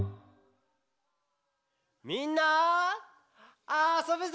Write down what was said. みんなあそぶぞ！